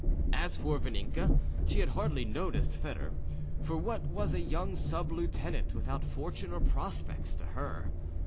As for Vaninka, she had hardly noticed Foedor; for what was a young sub lieutenant, without fortune or prospects, to her?